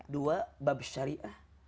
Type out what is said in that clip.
dua bab syariah